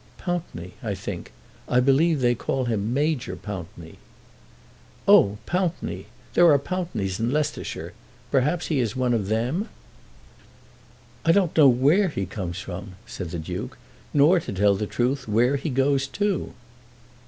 "Pountney, I think. I believe they call him Major Pountney." "Oh, Pountney! There are Pountneys in Leicestershire. Perhaps he is one of them?" "I don't know where he comes from," said the Duke, "nor, to tell the truth, where he goes to."